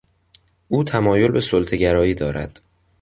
او تمایل به سلطهگرایی دارد.